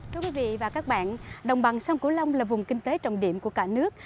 thưa quý vị và các bạn đồng bằng sông cửu long là vùng kinh tế trọng điểm của cả nước